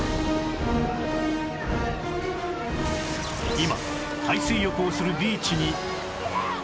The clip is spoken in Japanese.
今海水浴をするビーチに海の危険